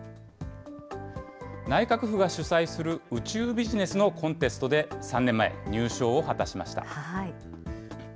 内閣府が主催する宇宙ビジネスのコンテストで、３年前、入賞を果たしました。